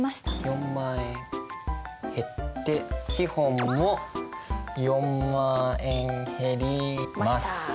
４万円減って資本も４万円減ります。